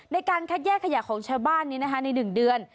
ในการคัดแยกขยะของชาวบ้านนี้นะคะใน๑เดือน